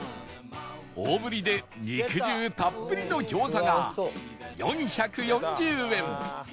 大ぶりで肉汁たっぷりの餃子が４４０円